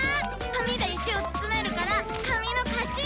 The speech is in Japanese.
紙で石を包めるから紙の勝ち！